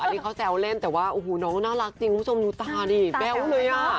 อันนี้เขาแซวเล่นแต่ว่าโอ้โหน้องน่ารักจริงคุณผู้ชมดูตาดิแบ๊วเลยอ่ะ